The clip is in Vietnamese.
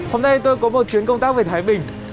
hôm nay tôi có một chuyến công tác về thái bình